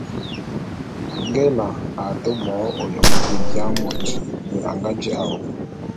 Nge Ela a to bo ôyôm mbiebian môt, ve a nga ji’a wu.